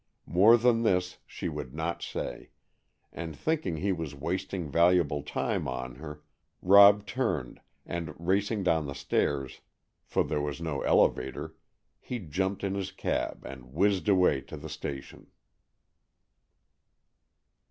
More than this she would not say, and thinking he was wasting valuable time on her, Rob turned and, racing down the stairs, for there was no elevator, he jumped in his cab and whizzed away to the station.